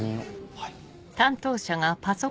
はい。